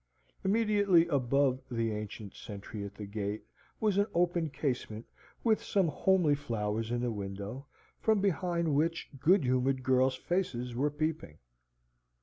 Immediately above the ancient sentry at the gate was an open casement with some homely flowers in the window, from behind which good humoured girls' faces were peeping.